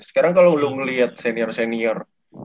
sekarang kalau lu ngeliat senior senior